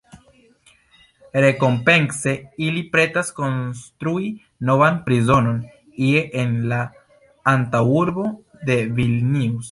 Rekompence ili pretas konstrui novan prizonon ie en la antaŭurbo de Vilnius.